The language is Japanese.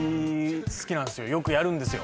よくやるんですよ。